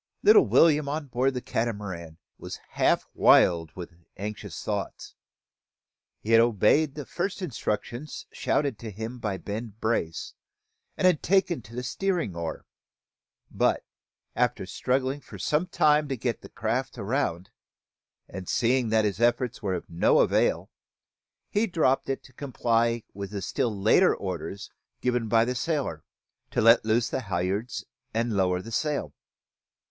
Little William, on board the Catamaran, was half wild with anxious thoughts. He had obeyed the first instructions shouted to him by Ben Brace, and taken to the steering oar; but, after struggling for some time to get the craft round, and seeing that his efforts were of no avail, he dropped it to comply with the still later orders given by the sailor: to let loose the halliards and lower the sail.